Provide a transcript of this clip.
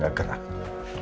bagus buat jantung